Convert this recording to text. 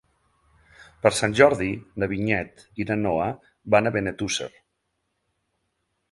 Per Sant Jordi na Vinyet i na Noa van a Benetússer.